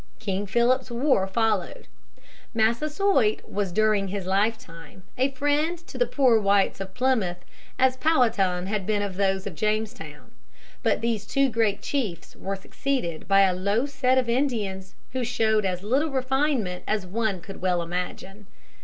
King Philip's war followed. Massasoit was during his lifetime a friend to the poor whites of Plymouth, as Powhatan had been of those at Jamestown, but these two great chiefs were succeeded by a low set of Indians, who showed as little refinement as one could well imagine.